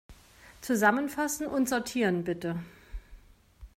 Zusammenfassen und sortieren, bitte.